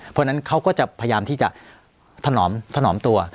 เพราะฉะนั้นเขาก็จะพยายามที่จะถนอมถนอมตัว